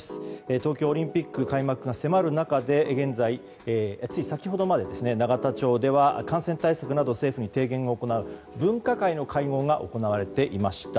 東京オリンピック開幕が迫る中でつい先ほどまで、永田町では感染対策など政府に提言を行う分科会の会合が行われていました。